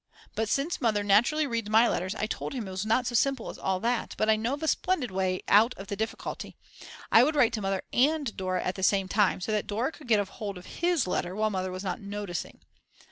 But since Mother naturally reads my letters, I told him it was not so simple as all that; but I knew of a splendid way out of the difficulty; I would write to Mother and Dora at the same time, so that Dora could get hold of his letter while Mother was not noticing.